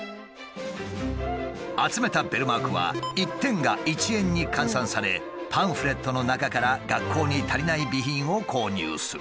集めたベルマークは１点が１円に換算されパンフレットの中から学校に足りない備品を購入する。